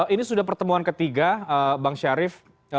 ini sudah pertemuan ketiga bang syarif